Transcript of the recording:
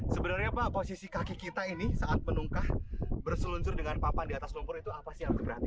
sebenarnya pak posisi kaki kita ini saat menungkah berseluncur dengan papan di atas lumpur itu apa sih yang berarti